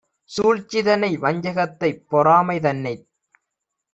சூழ்ச்சிதனை வஞ்சகத்தைப் பொறாமை தன்னைத்